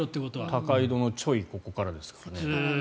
高井戸のちょいここからですからね。